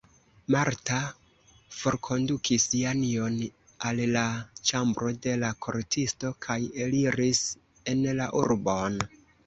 Marta forkondukis Janjon al la ĉambro de la kortisto kaj eliris en la urbon.